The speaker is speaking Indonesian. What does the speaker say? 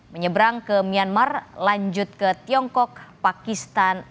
menyeberang ke myanmar lanjut ke tiongkok pakistan